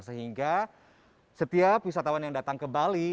sehingga setiap wisatawan yang datang ke bali